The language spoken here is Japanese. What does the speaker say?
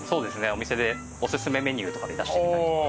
お店でおすすめメニューとかで出してみたりとか。